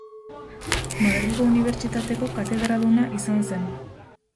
Madrilgo unibertsitateko katedraduna izan zen.